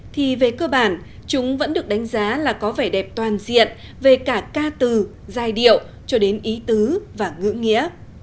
thì về cơ bản chúng vẫn được đánh giá là có vẻ đẹp toàn diện về cả ca từ giai điệu cho đến ý tứ và ngữ nghĩa